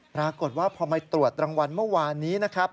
ปรากฏว่าพอมาตรวจรางวัลเมื่อวานนี้นะครับ